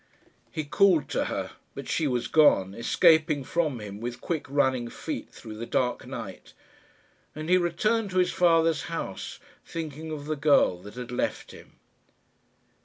He called to her, but she was gone, escaping from him with quick running feet through the dark night; and he returned to his father's house, thinking of the girl that had left him.